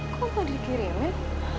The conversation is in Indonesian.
kok mau dikirimin